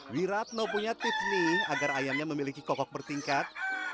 wiratno punya tips nih agar ayamnya memiliki kokok bertingkat